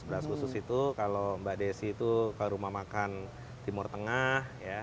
beras khusus itu kalau mbak desi itu ke rumah makan timur tengah